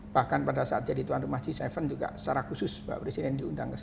bahkan pada saat jadi tuan rumah g tujuh juga secara khusus pak presiden diundang ke sana